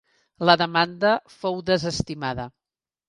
La demanda fou desestimada.